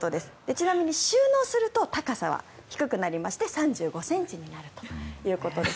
ちなみに収納すると高さは低くなりまして３５ｃｍになるということです。